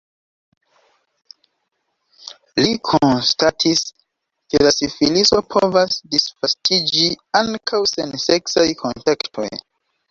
Li konstatis, ke la sifiliso povas disvastiĝi ankaŭ sen seksaj kontaktoj.